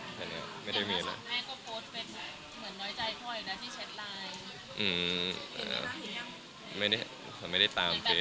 มีแต่คำว่าทำอะไรพ่อเขาไม่เคยเห็นความดี